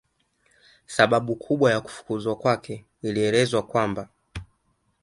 Sababu kubwa ya kufukuzwa kwake inaelezwa kwamba